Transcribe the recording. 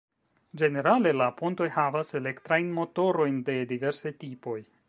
Ĝenerale la pontoj havas elektrajn motorojn de diversaj tipoj.